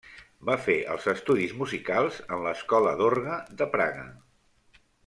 Va fer els estudis musicals en l'escola d'orgue de Praga.